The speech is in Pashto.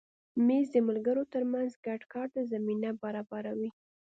مېز د ملګرو تر منځ ګډ کار ته زمینه برابروي.